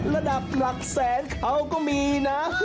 ระดับหลักแสนเขาก็มีนะ